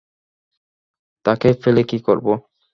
তাকে পেলে কি করবো?